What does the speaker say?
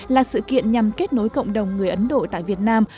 là sự kiện nhằm kết nối cộng đồng người ấn độ tại việt nam